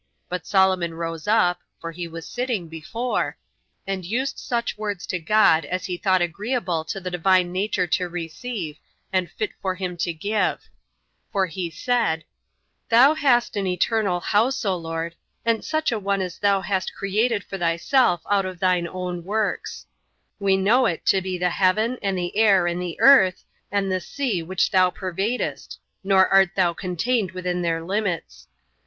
But Solomon rose up, [for he was sitting before,] and used such words to God as he thought agreeable to the Divine nature to receive, and fit for him to give; for he said, "Thou hast an eternal house, O Lord, and such a one as thou hast created for thyself out of thine own works; we know it to be the heaven, and the air, and the earth, and the sea, which thou pervadest, nor art thou contained within their limits.